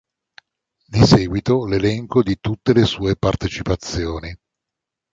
Di seguito, l'elenco di tutte le sue partecipazioni.